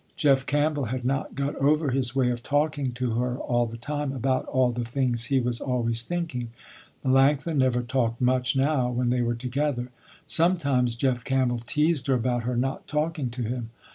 Jeff Campbell had not got over his way of talking to her all the time about all the things he was always thinking. Melanctha never talked much, now, when they were together. Sometimes Jeff Campbell teased her about her not talking to him.